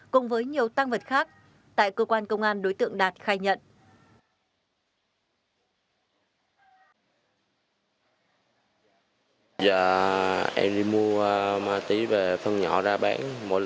cùng với nhiều tăng vật khác tại cơ quan công an đối tượng đạt khai nhận